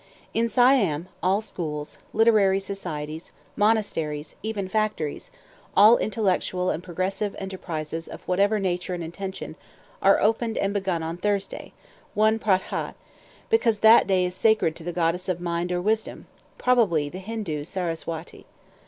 In Siam, all schools, literary societies, monasteries, even factories, all intellectual and progressive enterprises of whatever nature and intention, are opened and begun on Thursday, "One P'ra Hatt"; because that day is sacred to the goddess of Mind or Wisdom, probably the Hindoo Saraswati.